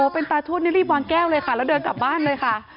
เป็นตาทวดนี่รีบวางแก้วเลยค่ะแล้วเดินกลับบ้านเลยค่ะ